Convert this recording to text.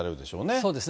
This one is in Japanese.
そうですね。